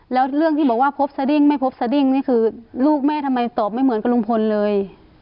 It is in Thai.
แล้วเรื่องที่บอกว่าพบสดิ้งไม่พบสดิ้งนี่คือลูกแม่ทำไมตอบไม่เหมือนกับลุงพลเลย